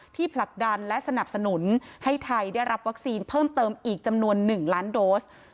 ผลักดันและสนับสนุนให้ไทยได้รับวัคซีนเพิ่มเติมอีกจำนวน๑ล้านโดส